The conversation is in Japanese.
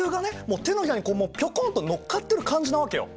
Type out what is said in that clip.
もう手のひらにピョコンと乗っかってる感じなわけよ。